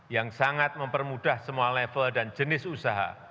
yang sangat mempermudah semua level dan jenis usaha